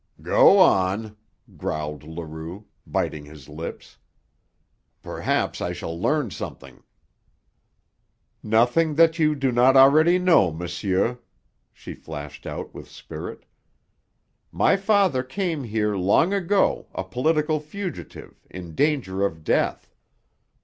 "Go on," growled Leroux, biting his lips. "Perhaps I shall learn something." "Nothing that you do not already know, monsieur," she flashed out with spirit. "My father came here, long ago, a political fugitive, in danger of death.